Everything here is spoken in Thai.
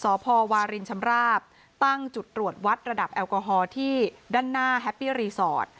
สพวารินชำราบตั้งจุดตรวจวัดระดับแอลกอฮอล์ที่ด้านหน้าแฮปปี้รีสอร์ท